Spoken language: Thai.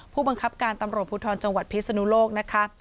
ผู้บังคับการตำรวจภูทรจังหวัดพิศนุโลกนะคะ